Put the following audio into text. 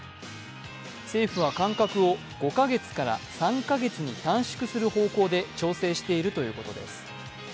政府は、間隔を５か月から３か月に短縮する方向で調整しているということです。